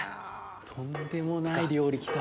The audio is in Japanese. とんでもない料理きた。